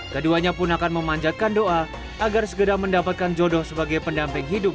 keduanya pun akan memanjatkan doa agar segera mendapatkan jodoh sebagai pendamping hidup